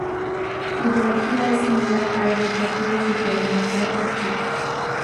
Su ideología es similar a la del Partido Socialdemócrata Checo.